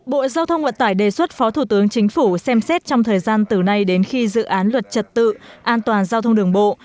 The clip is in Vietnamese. bộ giao thông vận tải đề xuất phó thủ tướng chính phủ xem xét trong thời gian từ nay đến khi dự án luật trật tự an toàn giao thông đường bộ